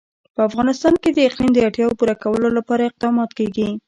په افغانستان کې د اقلیم د اړتیاوو پوره کولو لپاره اقدامات کېږي.